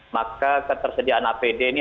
maka ketersediaan apd ini